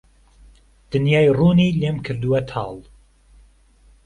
دنیای روونی لێم کردووه تاڵ